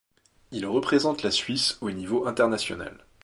Il représente la Suisse au niveau international.